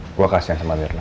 aku juga kasihan sama reina